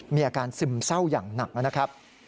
มีอาการซึมเศร้าอย่างหนักนะครับ